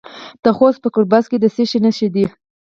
د خوست په ګربز کې د څه شي نښې دي؟